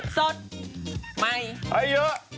สดมัยฮ่า้ย